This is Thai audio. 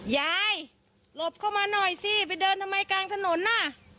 ยายหลบเข้ามาหน่อยสิไปเดินทำไมกลางถนนน่ะ